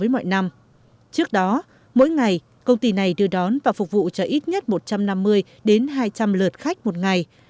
trước đó mỗi ngày công ty này đưa đón và phục vụ cho ít nhất một trăm năm mươi đến hai trăm linh lượt khách một ngày